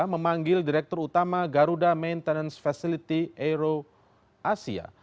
memanggil direktur utama garuda maintenance facility aero asia